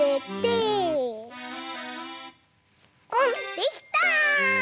できた。